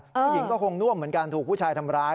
ผู้หญิงก็คงน่วมเหมือนกันถูกผู้ชายทำร้าย